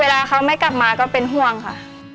เวลาเขาไม่กลับมาก็เป็นห่วงค่ะ